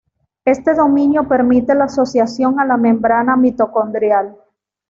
Éste dominio permite la asociación a la membrana mitocondrial.